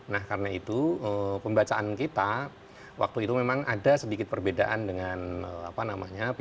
nah karena itu pembacaan kita waktu itu memang ada sedikit perbedaan dengan pihak dpr maupun pemerintah